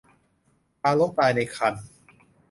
ทารกตายในครรภ์